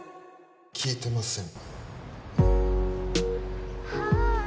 聞いてません